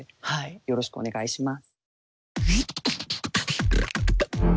よろしくお願いします。